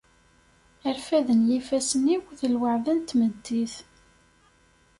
Arfad n yifassen-iw, d lweɛda n tmeddit.